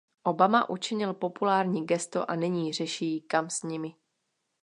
Obama učinil populární gesto a nyní řeší, kam s nimi.